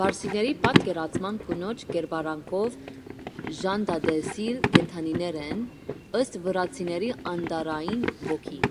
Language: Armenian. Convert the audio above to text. Պարսիկների պատկերացմամբ՝ կնոջ կերպարանքով ժանտատեսիլ կենդանիներ են, ըստ վրացիների՝ անտառային ոգի։